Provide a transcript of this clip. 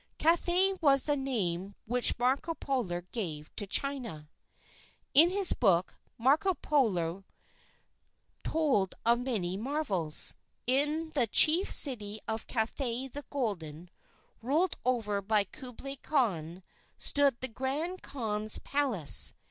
Cathay was the name which Marco Polo gave to China. In his book, Marco Polo told of many marvels. In the chief city of Cathay the Golden, ruled over by Kublai Khan, stood the Grand Khan's palace.